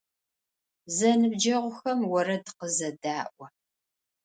Зэныбджэгъухэм орэд къызэдаӏо.